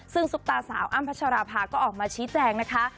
ซึ่งซุปตาสาวอ้ำพัชราภาก็ออกมาชี้แจงนะคะ